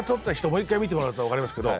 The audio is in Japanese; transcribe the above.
もう１回見てもらうと分かりますけど。